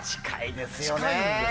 近いんですよね。